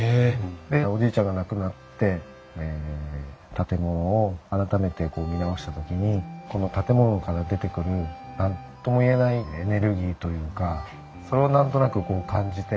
でおじいちゃんが亡くなって建物を改めて見直した時にこの建物から出てくる何とも言えないエネルギーというかそれを何となく感じて。